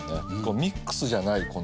ミックスじゃないこの。